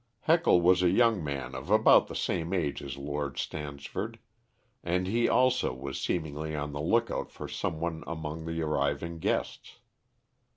Heckle was a young man of about the same age as Lord Stansford, and he also was seemingly on the look out for some one among the arriving guests.